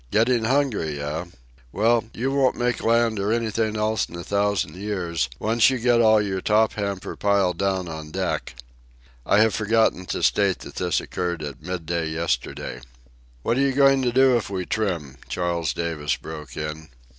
"Getting hungry, eh? Well, you won't make land or anything else in a thousand years once you get all your top hamper piled down on deck." I have forgotten to state that this occurred at midday yesterday. "What are you goin' to do if we trim?" Charles Davis broke in.